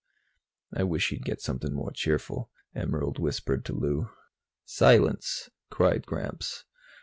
"I wish he'd get something more cheerful," Emerald whispered to Lou. "Silence!" cried Gramps.